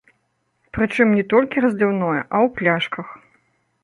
Прычым не толькі разліўное, а ў пляшках.